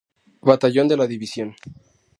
Batallón de la división.